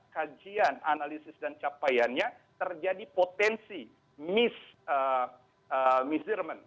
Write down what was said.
kajian analisis dan capaiannya terjadi potensi mis vaksin